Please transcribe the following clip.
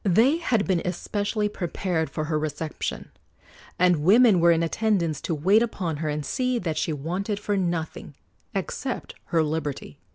They had been especially prepared for her reception, and women were in attendance to wait upon her and see that she wanted for nothing, except her liberty.